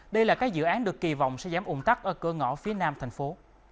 đây là các dự án được kỳ vọng sẽ giảm ủng tắc ở cửa ngõ phía nam thành phố